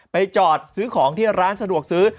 จอดซื้อของที่ร้านสะดวกซื้อ